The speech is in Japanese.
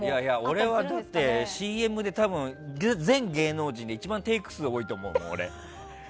俺はだってＣＭで全芸能人で一番テイク数多いと思うもん。